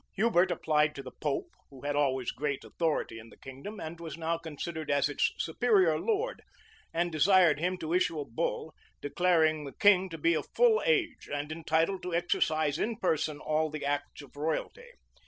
Hubert applied to the pope, who had always great authority in the kingdom, and was now considered as its superior lord, and desired him to issue a bull, declaring the king to be of full age, and entitled to exercise in person all the acts of royalty.